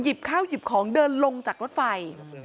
ข้าวหยิบของเดินลงจากรถไฟ